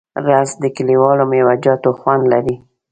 رس د کلیوالو میوهجاتو خوند لري